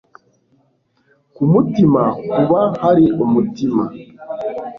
Ku mutima kuba hari umutima